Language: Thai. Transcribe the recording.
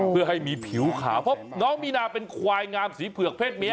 เพื่อให้มีผิวขาวเพราะน้องมีนาเป็นควายงามสีเผือกเพศเมีย